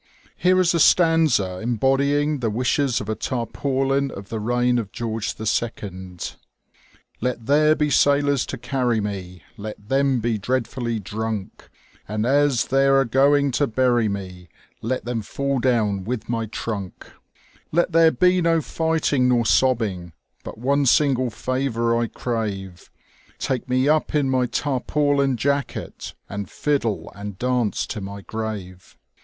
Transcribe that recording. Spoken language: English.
Here is a stanza embodying the wishes of a tarpaulin of the reign of George H. :Let there be sailors to carry mo, Let them be dreadfuUy drunk ; And as they're a going to bury me, Let them fall down with my trunk :" Let there be no fighting nor sobbing, But one single favour I crave — Take me up in my tarpaulin jacket, And fiddle and danoe to my grave."